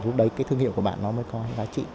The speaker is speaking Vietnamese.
lúc đấy cái thương hiệu của bạn nó mới có giá trị